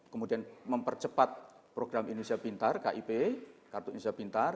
kemudian mempercepat program indonesia pintar kip kartu indonesia pintar